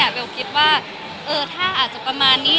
เบลคิดว่าถ้าอาจจะประมาณนี้